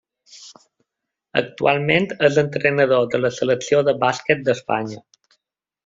Actualment és entrenador de la Selecció de bàsquet d'Espanya.